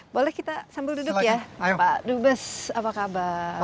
boleh kita sambil duduk ya pak dubes apa kabar